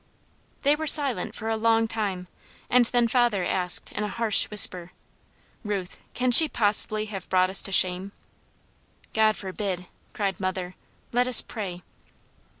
They were silent for a long time and then father asked in a harsh whisper: "Ruth, can she possibly have brought us to shame?" "God forbid!" cried mother. "Let us pray."